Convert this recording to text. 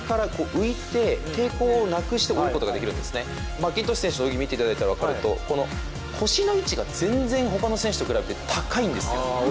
マッキントッシュ選手の動き見ていただいたら腰の位置が全然他の選手と比べて高いんです。